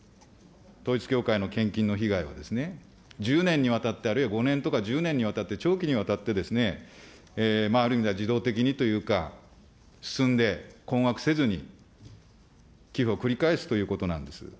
統一教会の献金の被害はですね、１０年にわたって、あるいは５年とか１０年にわたって、長期にわたってですね、ある意味では、自動的にというか、すすんで、困惑せずに、寄付を繰り返すということなんです。